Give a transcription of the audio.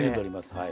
はい。